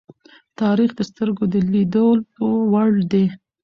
تاریخ د سترگو د لیدلو وړ دی.